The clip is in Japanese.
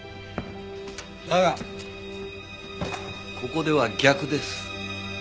だがここでは逆です。